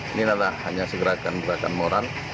ini adalah hanya segerakan gerakan moral